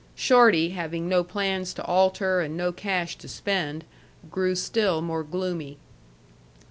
Shorty having no plans to alter and no cash to spend, grew still more gloomy.